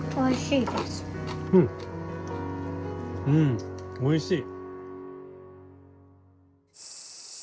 うんおいしい。